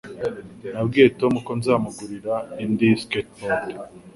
Nabwiye Tom ko nzamugurira indi skateboard.